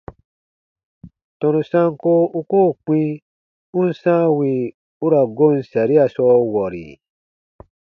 Tɔnu sanko u koo kpĩ u n sãa wì u ra goon saria sɔɔ wɔri?